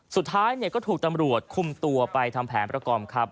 สุดท้ายก็ถูกตำรวจคุมตัวไปทำแผนประกอบครับ